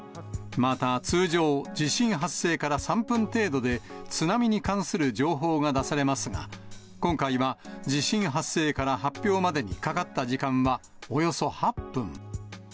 また、通常、地震発生から３分程度で、津波に関する情報が出されますが、今回は地震発生から発表までにかかった時間はおよそ８分。